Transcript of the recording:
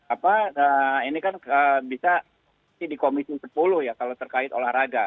apa ini kan bisa di komisi sepuluh ya kalau terkait olahraga